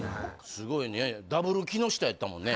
すごいねダブル木下やったもんね